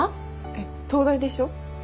えっ東大でしょ？